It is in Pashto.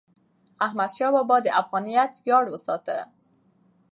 احمدشاه بابا د افغانیت ویاړ وساته.